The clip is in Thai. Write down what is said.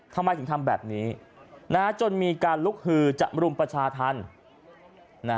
ทำไมถึงทำแบบนี้จนมีการลุกฮือจะรุมประชาธรรม